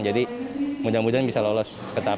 jadi mudah mudahan bisa lolos